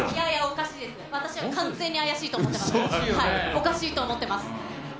おかしいと思ってます。